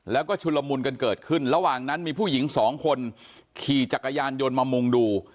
แล้วก็ชุลมุนกันเกิดขึ้นระหว่างนั้นมีผู้หญิงสองคนขี่จักรยานยนต์มามุ่งดู